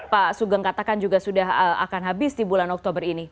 pak sugeng katakan juga sudah akan habis di bulan oktober ini